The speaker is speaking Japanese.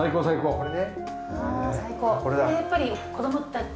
これね。